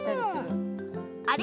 あれ？